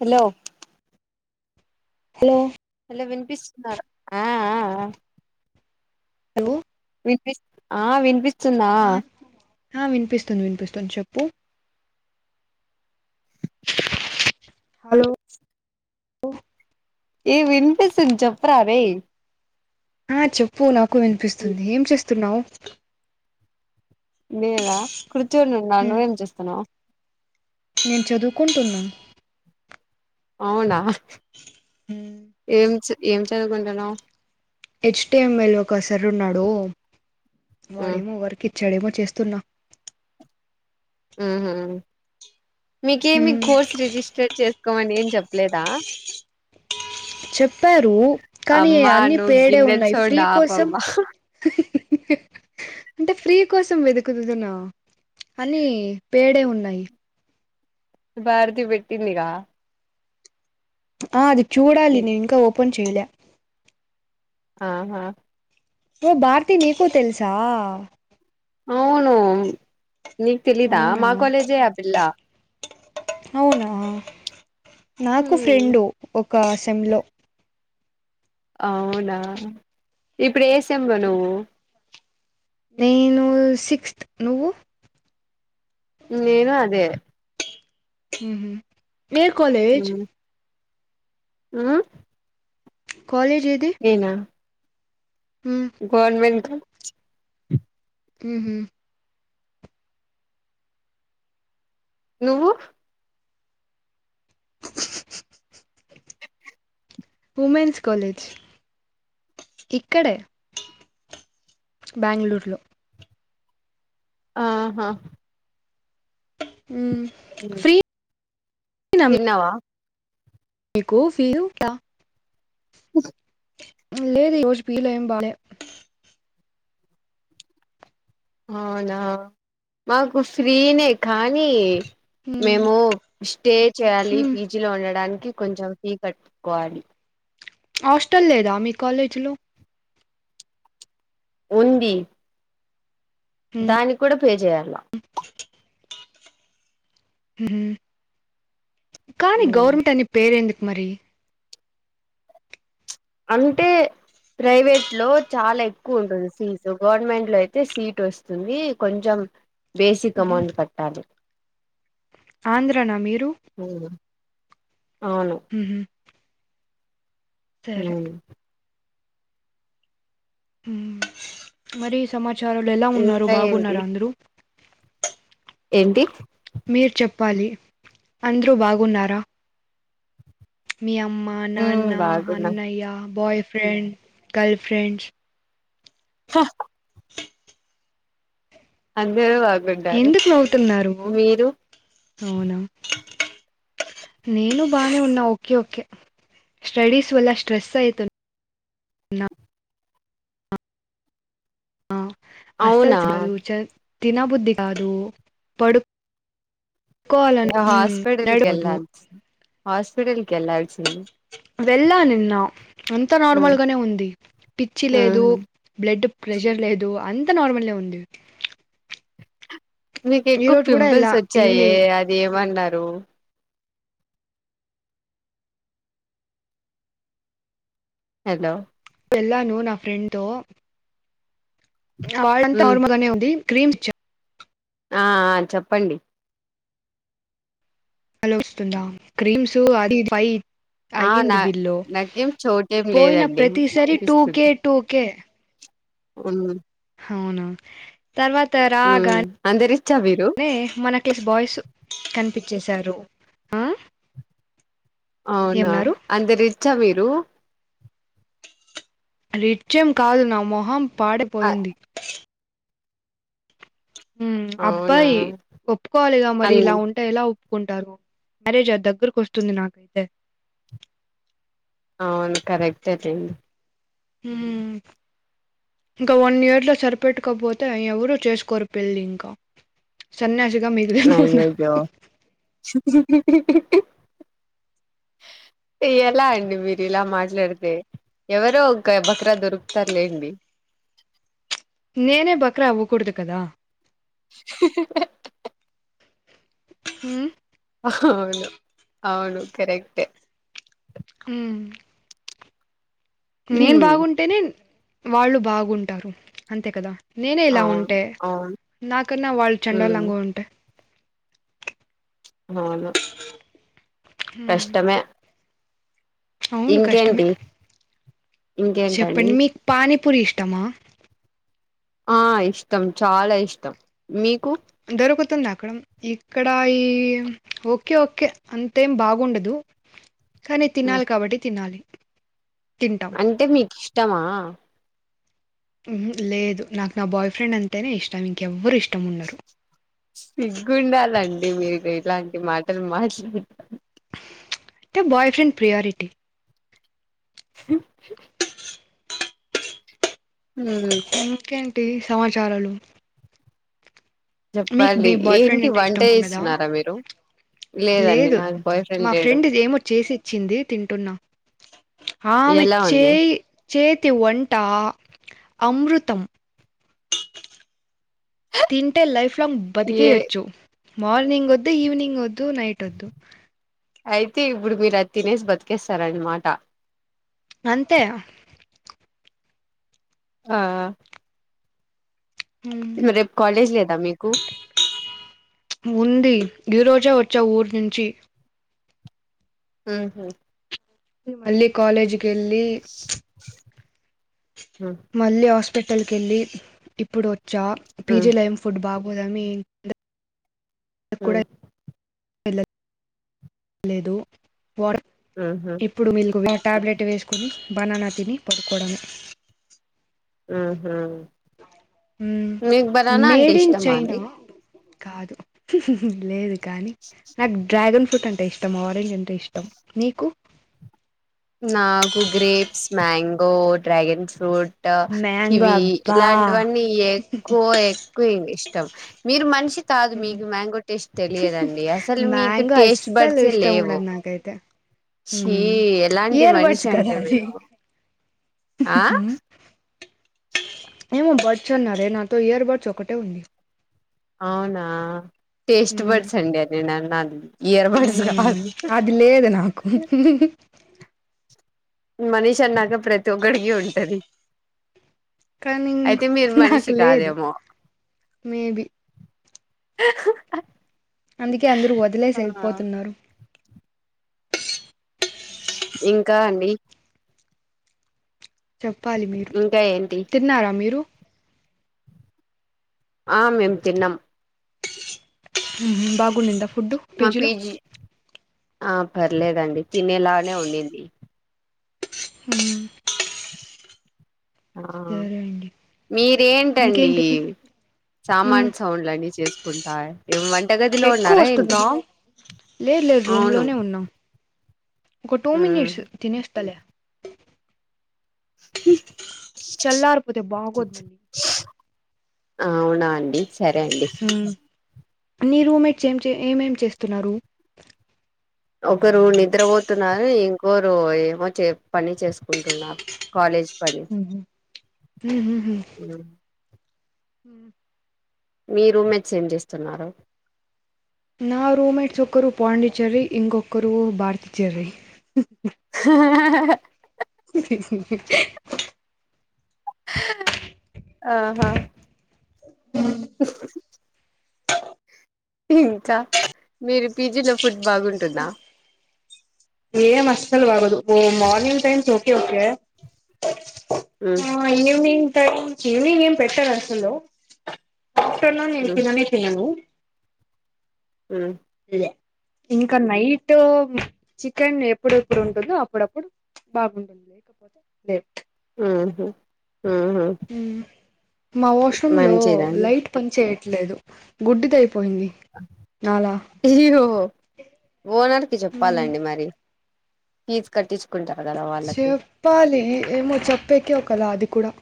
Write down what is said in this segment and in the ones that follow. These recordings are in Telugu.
హలో హాలో ఇలా వినిపిస్తున్నారా ఆ ఆ ఆ హాలో వినిపిస్త్ ఆ వినిపిస్త్ తిన్నా ఆ ఆ వినిపిస్తుంది వినిపిస్తుంది చెప్పు హాలో పో ఈ వినిపిస్తుంది చొప్పురారే ఆ చొప్పు నా క్కు వినిపిస్తుంది ఏం చేస్త్ తున్నావ్ నేనా కూర్చో నున్నా నువ్వేం చేస్తన్నావ్ నేన్ చదువుకుంటున్నా అవ్నా హ్మ్ ఏం చ్ ఏం చదువుకుంటున్నా హెచ్టిఎంఎల్ ఒకసారి ఉన్నాడు వాడే ఉమ్ మోగర చెడేమో చేస్తున్నా ఆ మీకేమి హ్మ్ కోర్స్ రిజిస్టర్ చేసుకోమని ఏం చెప్ పలేదా చెప్పారు కానీ అమ్మా అన్నిీ నువ్వు పేడే గిన్నెలు ఉన్నాయి ఫ్రీ సౌండ్ కోసం ఆపమ్మా అంటే ఫ్రీ కోసం వెతుకుతుదున్నా అని పేడే ఉన్నాయి భారతి పెట్టిందిరా ఆది చూడాలి నేను ఇంకా ఒపన్ చేలే ఆ ఆా ఓ భారతి నీకు తెలుసా అవును నకు తెలీదా అవునా మా కాలేజే అబిల్లా అవునా నాకు ఫ్రెండు ఒక అసెంంలో అవునా ఇ ప్రేసం బనవు నేను సిక్స్త్ నువ్వు నేను అదే హ నేయర్ కాలేజ్ ఆ కాలేజ్ ఏది ఉమ్ గవర్మెంట్ హమ్ నువ్వు ఉమెన్స్ కాలేజ్ ఇక్కడే బెంగళూరులో ఆహా ఫ్రీ తిన్నావా మీకుఫీ లెద్ లేద్ పీజి ఏం బాలే అవునా మాకు ఫ్రీనే కానీ ఉమ్ మేము స్టే చేయాలి ఉమ్. పీజీ లో ఉండడాని కి కొంచం ఫీ కట్టుకోవాలి హాస్టల్ లేదా మీ కాలేజీలో ఉంది దాన్ని కూడ పే చేయాల హ్మ్ కానీ గవర్నమెంట్ అని పేరు ఎందుక మరి అంటే ప్రైవేట్ లో చాలా ఎక్కువ ఉంటుంది ఫీజు గవర్నమెంట్ లో అయితే సీట్ వస్తుంది కొంచెం బేసిక్ అమౌంట్ కట్టాలి ఆంధ్ర నా మీరు అవును ఉహు సరే అవును ఊ మరి సమ చారులు ఎలా ఉన్నారు ఇంకా ఏంటి బాగున్నారా అందరూ ఏంటి ప్పాలి అంద్రూ బాగున్నారా మీ అమ్మ హ్మ్ నాన్న బాగున్నాం అన్నయ్య బాయ్ ఫ్రెండ్ గర్ల్ ఫ్రెండ్స్ అందరూ వా ఎందుకు నవ్వుతున్నారు అవునా నేను బానే ఉన్నా ఓకే ఓకే స్టడీస్ వల్ల స్ట్రెస్ అయితున్ ఆ అసలు అవునా చదు చ తినబుద్ధి కాదు పొడు కోవాలన్ ఉమ్ నడవదు హాస్పిటల్ కి ఎల్లాల్సింది వెళ్ళా నిన్న అంతా నార్మల్ హ్మ్ గానే ఉంది పిచ్చి లేదు హ్మ్ బ్లడ్ ప్రెషర్ లేదు అంత నార్మలే ఉంది మీకు ఈ ఎక్కువ రోజు కూడా ఎలా పింపుల్స్ వచ్చాయే ఈవినింగ్ అది ఏమన్నారు రు హలో వెళ్లాను నా ఫ్రెండ్ తో కాలంతో హ్మ్ నార్మల్గానే ఉంది క్రీమ్ చా ఆ చెప్పండి అలా వస్తుందా క్రీమ్స్ అది పై ఆ నా అయ్యింది బిల్లు నాకేం చోటేం పోయిన లేదండి ప్రతిసరి టూకె టూకే ఉ అవునా తర్వాత రాగా హ్మ్ అంత రిచ్చా మీరు నే మన కేలి బాయ్స్ కనిపి ప్పించేశారు అహ అవునా అంత రిచ్ మీరు లు రిచ్ ఏము కాదు నా మొహం అ పాడిపోయింది అవునా అబ్బాయి ఒప్పుకోవాలిగా మరి అన్ ఇలా ఉంటే ఇలా ఒప్పు ఒప్పుకుంటారు మ్యారేజ్ దగ్గరకు వస్తుంది నాకైతే అవును కరెక్టే లెండి హు ఇంకా వన్ ఇయర్ లో సరిపెట్కపోతే ఎవరు చేసుకోరు పెళ్లి ఇంకా సన్యాసి అయ్యాయో ఎలా అండి మీరు ఇలా మాట్లాడితే ఎవరో ఒకాయే ఒక బక్రా దొరుకుతారు లేండి నేనే బకరా అవ్వకూడదు కదా హు అహ అవును అవును కరెక్టే హు నేను హ్మ్. బాగుంటేనే వాళ్ళు బాగుంటారు అంతే కదా నేనే ఇలా అవును ఉంటే అవును నాకన్నా వాళ్ళ ఉమ్ చండాలంగా ఉంటే అవును ఉమ్ కష్టమే అవును కష్టమే ఇంకేంటి ఇంకేంటండి చెప్పండి మీకు పానీపూరి ఇష్ట మా ఆ ఇష్టం చాలా ఇష్టం మీకు దొరుకుతుంది అక్కడ ఇక్కడ ఈ ఓకే ఓకే అంతేం బాగుండదు కానీ హ్మ్. తినాలి కాబట్టి తినాలి తింటాం అంటే మీకు ఇష్ టమా మ్మ్ హ్మ్ లేదు నాకు నా బాయ్ ఫ్రెండ్ అంటేనే ఇష్టం ఇంకెవ్వరు ఇష్ సిగ్గుండాలండి మీరు ఇలాం మాటలు మాట్లాన్ ప్చ్ టే బాయ్ ఫ్రెండ్ ప్రియారిటీ స హ్మ్ టి సమాచారాలు మీకు చెప్పాలి మీ బాయ్ ఫ్రెండ్ ఏంటి అంటే వంట ఇష్టం ఉండదా, చేస్తున్నారా మీరు లేదండి లేదు నాకు బాయ్ మా లేడు ఫ్రెండ్ ఇది ఏమో చేసి ఇచ్చింది తింటున్నా ఆమె ఎలా ఉంది చేయి చేతి వంట, అమృతం తింటే లైఫ్ ఫ్లం ఏ బతికేయెచ్చు మార్నింగ్ వద్దు ఈవెనింగ్ వద్దు నైట్ వద్దు అయితే ఇప్పుడు మీరు అ తినేసి బతికేస్తారన్నమాట అంతే ఆ ఉమ్, రేపు కాలేజ్ లేదా మీకు ఈరోజే వచ్చ ఊరు నుంచి మ్మ్ హ్మ్ మళ్లీ కాలేజ్ కెళ్లి ప్చ్ ఉ మళ్ళీ హాస్ స్పిటల్ కెళ్ళి ఇప్పుడు చా ఉ పీజి లైమ్ ఫుడ్ బాగోదమీ ఆ వెల్లా లేదు వా ఉహు ఇప్పుడు మీల్కు వ టాబ్లెట్ వేసుకొని బనానా తిని పడుకోడమే ఆహా హ్మ్ మీకు బనానా అంటే మేడ్ ఇన్ ఇష్టమా చైనా అండి కాదు లేదు కానీ నాకు డ్రాగన్ ఫ్రూట్ అంటే ఇష్టం ఆరెంజ్ అంటే ఇష్టం నీకు నాకు grapes mango dragon fruit mango kiwi అబ్బా ఇలాంటివన్నీ ఎక్కువ ఎక్కువంది ఇష్ మీరు మనిషి కాదు మ్మ్. మీకు మ్యాంగో టేస్ట్ తెలియదండి అసలు మీకు మ్యాంగో టేస్ట్ అస్సలు బర్డ్స్ ఇష్టం లేవు ఉండదు నాకైతే చీ హ్మ్ ఇయర్ బర్డ్స్ కదా అవి ఆ ఏమో బడ్స్ అన్నారే నాతో ఇయర్ బడ్స్ ఒకటే ఉంది. అవునా టేస్ట్ హ్మ్ బడ్స్ అండి అది నా నాది ఇయర్బడ్స్ అవునవును కాదు అది లేదు నాకు మనిషి అన్నాక ప్రతి ఒక్కడికి ఉంటది. కానీ అయితే మీరు నాకు మనిషి లేదు కాదేమో మేబి అందుకే అందరూ వదిలేసి ఆ వెళ్పోతున్నారు. ఇంకా అండి చెప్పాలి మీరు ఇంకా ఏంటి తిన్నారా మీరు ఆహ్ మేం తిన్నం. ఊహు బా గునింద ఫుడ్ పీజీ లో ఆహ్ పర్లేదండి తినేలానే ఉండింది హు ఆహ్ సరే అండి మీ ఏ ఏంటండి ఇంకేంటి మ్మ్. సామాన్ సౌండ్లు అన్నీ చేసుకుంటా ఏం వంటగదిలో ఎక్కువ ఉన్నారా ఏంటి వస్తుందా లేదు లేదు రూమ్ అవును. లోనే ఉన్నాం ఒక టూ హ్మ్ మినిట్స్ తినస్తలే చల్లార్పోతే బాగుోద్ మళ ఆహ్ అవునా అండి సరే అండి మ్మ్. నీ రూమ్మేట్స్ ఏం చే ఏమేమీ చేస్తున్నారు. ఒకరు నిద్రపోతున్నారు ఇంకొరు ఏమో చే పని చేసుకుంటున్నారు కాలేజ్ పని హు హు మీ రూమేట్స్ ఎం చేస్తున్నారు. నా రూమ్మేట్స్ ఒక్కరు పాండిచర్రి ఇంకోక్కరు భారతిచర్రి ఆహా ఇంకా మీరు పీజీలో ఫుడ్ బాగుంటుందా. ఎం అస్సలు బాగోదు ఓ మార్నింగ్ టైమ్స్ ఓకే ఓకే ఉమ్ ఆహ్ ఈవినింగ్ [unintelligible] గురించి ఈవినింగ్ ఏం పెట్టారు అసలు బటర్ నాన్ నేను తిననే తినను మ్మ్ ఇదే ఇంకా నైటు చికెన్ ఎప్పుడెప్పుడు ఉంటుందో అప్పుడప్పుడు బాగుంటుంది లేకపోతే లే హ్మ్ హు మ్మ్ వాష్ రూమ్ లో మంచిదండి లైట్ పని చేయి ట్లేదు గుడ్డి అయ్యి ఓనర్ కి జెప్పాలండి మరి ఫీజ్ కట్టిచ్ చెప్పాలి ఏమో చెప్పేకి ఒకలా అది కూడా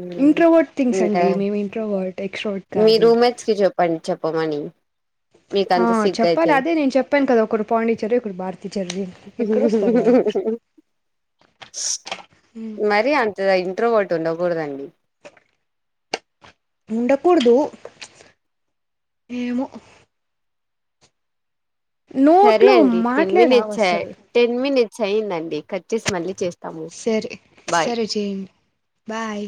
ఉమ్ ఇంట్రోవర్ట్ థింగ్స్ ఇంకా అండి మేము ఇంట్రోవర్ట్, ఎక్స్ట్రావట్ మీ కాదు, రూమ్మేట్స్ కి చెప్పండి చెప్పమని మీకు హా అంత సిగ్గు చెప్పాలి అయితే అదే నేను చెప్పాను కదా, ఒకరు పాండిచ్చేరి ఒకర్ భారత్. మరి అంత ధై ఇంట్రోవాట్ ఉండకూడదండి ఉండకూడదు ఏమో సరే నోట్లో అండి మాట్లే రావు అసలు చయిందినండి కట్ చేసి మళ్ళీ చేస్ సరే సరే చేయండి బాయ్